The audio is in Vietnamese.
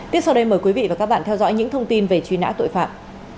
tiếp sau đây mời quý vị và các bạn theo dõi những thông tin về truy nã tội phạm